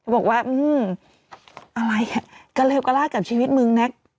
บอกว่าอะไรอ่ะกระเลวกระลาดกับชีวิตมึงแน็ก